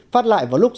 phát lại vào lúc sáu h